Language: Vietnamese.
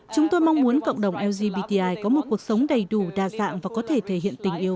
chúng tôi mong muốn cộng đồng lgbti có một cuộc sống đầy đủ đa dạng và có thể thể hiện tình yêu